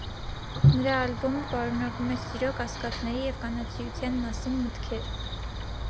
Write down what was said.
Նրա ալբոմը պարունակում էր սիրո, կասկածների և կանացիության մասին մտքեր։